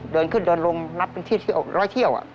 เดินขึ้นเดินลงนับเป็นร้อยเที่ยว